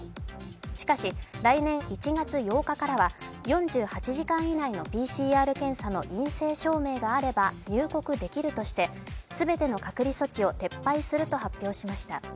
しかし、来年１月８日からは４８時間以内のＰＣＲ検査の陰性証明があれば入国できるとしてすべての隔離措置を撤廃すると発表しました。